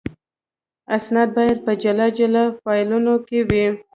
اسناد باید په جلا جلا فایلونو کې وي.